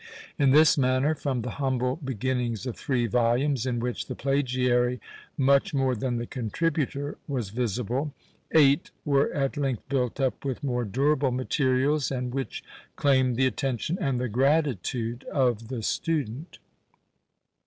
In this manner, from the humble beginnings of three volumes, in which the plagiary much more than the contributor was visible, eight were at length built up with more durable materials, and which claim the attention and the gratitude of the student.